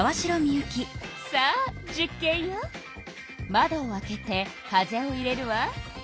窓を開けて風を入れるわ。